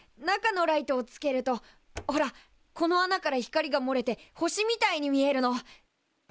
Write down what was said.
中のライトをつけるとほらこの穴から光がもれて星みたいに見えるの。